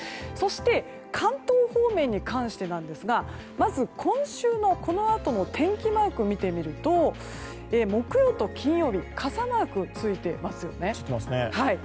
そして、関東方面に関してまず今週のこのあとの天気マークを見てみると木曜と金曜日に傘マークがついていますよね。